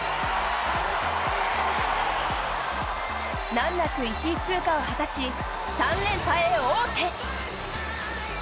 難なく１位通過を果たし３連覇へ王手。